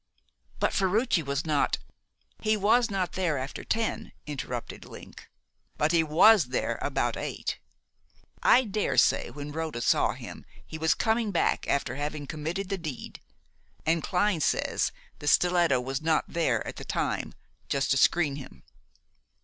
"But Ferruci was not " "He was not there after ten," interrupted Link, "but he was there about eight. I dare say when Rhoda saw him he was coming back after having committed the deed, and Clyne says the stiletto was not there at the time just to screen him."